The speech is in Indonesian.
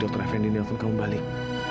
dr fendi nelfon kamu balik